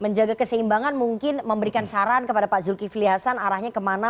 menjaga keseimbangan mungkin memberikan saran kepada pak zulkifli hasan arahnya kemana